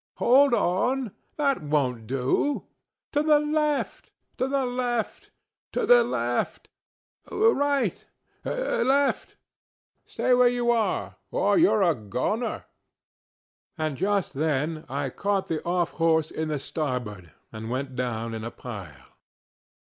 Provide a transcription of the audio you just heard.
Hold on! THAT wonŌĆÖt do! ŌĆöto the left! ŌĆöto the right! ŌĆöto the LEFTŌĆöright! leftŌĆöriŌĆöStay where you ARE, or youŌĆÖre a goner! ŌĆØ And just then I caught the off horse in the starboard and went down in a pile.